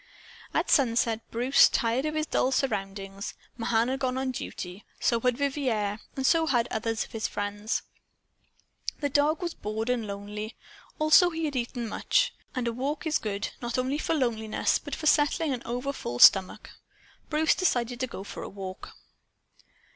At sunset Bruce tired of his dull surroundings. Mahan had gone on duty; so had Vivier; so had others of his friends. The dog was bored and lonely. Also he had eaten much. And a walk is good, not only for loneliness, but for settling an overfull stomach. Bruce decided to go for a walk.